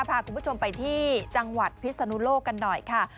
พาคุณผู้ชมไปที่จังหวัดพิศนุโลกกันหน่อยค่ะ